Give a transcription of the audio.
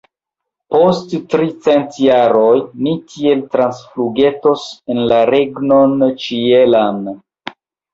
Post tricent jaroj ni tiel transflugetos en la regnon ĉielan!